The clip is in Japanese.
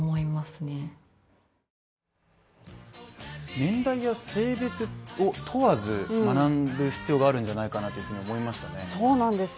年代や性別を問わず学ぶ必要があるんじゃないかなというふうに思いましたそうなんですよ